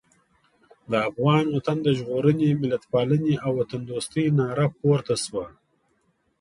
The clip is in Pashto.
د افغان وطن د ژغورنې، ملتپالنې او وطندوستۍ ناره پورته شوه.